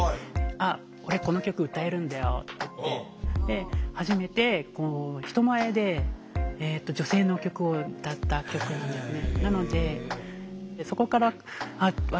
「あっ俺この曲歌えるんだよ」って言って初めて人前でえっと女性の曲を歌った曲なんですね。